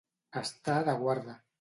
Estar de guarda.